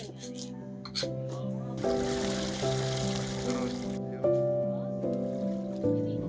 gak apa apa ya